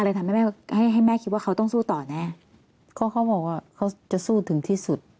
ทำให้แม่ให้ให้แม่คิดว่าเขาต้องสู้ต่อแน่ก็เขาบอกว่าเขาจะสู้ถึงที่สุด